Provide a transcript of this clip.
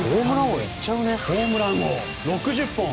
ホームラン王６０本。